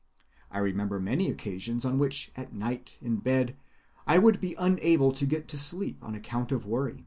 I remember many occasions on which at night in bed, I would be unable to get to sleep on account of worry.